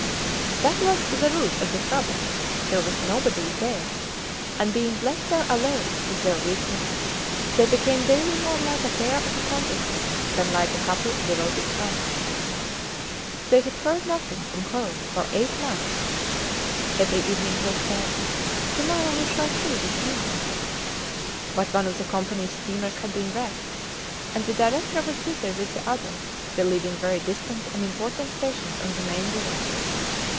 That was the root of the trouble! There was nobody there; and being left there alone with their weakness, they became daily more like a pair of accomplices than like a couple of devoted friends. They had heard nothing from home for eight months. Every evening they said, To morrow we shall see the steamer. But one of the Companys steamers had been wrecked, and the Director was busy with the other, relieving very distant and important stations on the main river.